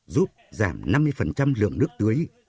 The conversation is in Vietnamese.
giúp giảm năm mươi lượng nước tưới